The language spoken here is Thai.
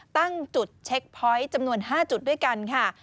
ตั้งจุดเช็คพอยต์จำนวน๕จุดด้วยกันค่ะ